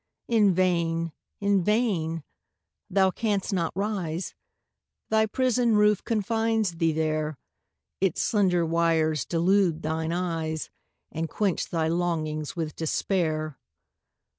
In vain in vain! Thou canst not rise: Thy prison roof confines thee there; Its slender wires delude thine eyes, And quench thy longings with despair.